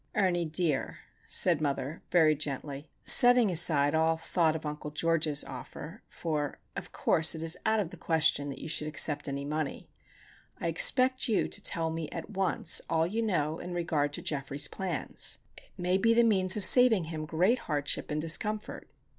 "Ernie, dear," said mother, very gently, "setting aside all thought of Uncle George's offer, for, of course, it is out of the question that you should accept any money,—I expect you to tell me at once all you know in regard to Geoffrey's plans. It may be the means of saving him great hardship, and discomfort."